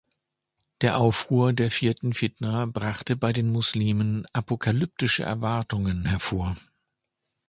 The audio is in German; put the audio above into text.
Der Aufruhr der vierten Fitna brachte bei den Muslimen apokalyptische Erwartungen hervor.